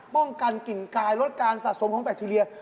ป้องกันกลิ่นกายลดการสะสมของแบคทีเรีย